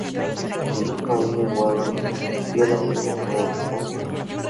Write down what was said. El mismo año, Wurm recibió la ciudadanía australiana.